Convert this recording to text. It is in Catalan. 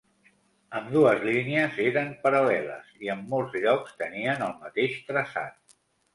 Ambdues línies eren paral·leles i en molts llocs tenien el mateix traçat.